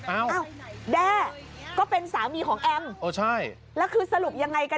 อ้าวแด้ก็เป็นสามีของแอมเออใช่แล้วคือสรุปยังไงกัน